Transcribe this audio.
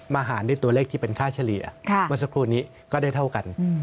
หารด้วยตัวเลขที่เป็นค่าเฉลี่ยเมื่อสักครู่นี้ก็ได้เท่ากัน